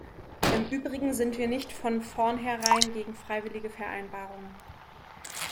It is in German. Im Übrigen sind wir nicht von vornherein gegen freiwillige Vereinbarungen.